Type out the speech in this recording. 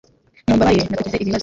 mumbabarire nakugize ibibazo